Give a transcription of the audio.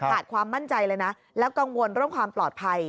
ขาดความมั่นใจเลยนะแล้วกังวลเรื่องความปลอดภัย